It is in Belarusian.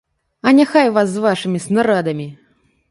А няхай вас з вашымі снарадамі!